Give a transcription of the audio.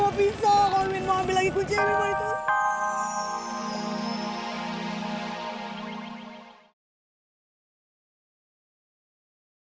absolut bukan owo gini loh ya apaan artshaauddah